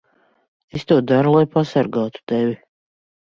Es to daru, lai pasargātu tevi.